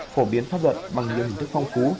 phổ biến pháp luật bằng nhiều hình thức phong phú